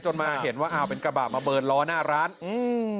มาเห็นว่าอ้าวเป็นกระบะมาเบิร์นล้อหน้าร้านอืม